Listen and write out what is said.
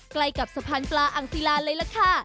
ใกล้กับสะพานปลาอังศิลาเลยล่ะค่ะ